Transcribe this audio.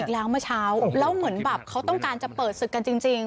แล้วเมื่อเช้าแล้วเหมือนแบบเขาต้องการจะเปิดศึกกันจริง